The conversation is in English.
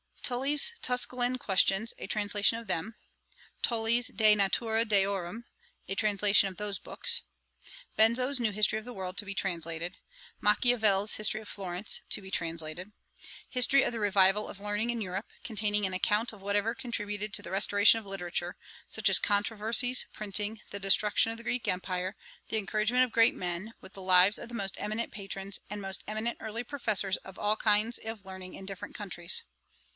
'Tully's Tusculan Questions, a translation of them. 'Tully's De Naturâ Deorum, a translation of those books. 'Benzo's New History of the New World, to be translated. 'Machiavel's History of Florence, to be translated. 'History of the Revival of Learning in Europe, containing an account of whatever contributed to the restoration of literature; such as controversies, printing, the destruction of the Greek empire, the encouragement of great men, with the lives of the most eminent patrons and most eminent early professors of all kinds of learning in different countries.